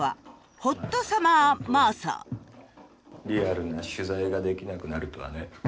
リアルな取材ができなくなるとはね。